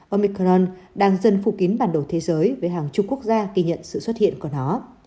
omicron đang dần phụ kín bản đồ thế giới với hàng chục quốc gia ghi nhận sự xuất hiện của nó